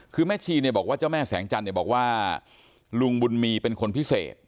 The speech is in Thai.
คือแม่ชีเนี่ยบอกว่าเจ้าแม่แสงจันทร์บอกว่าลุงบุญมีเป็นคนพิเศษ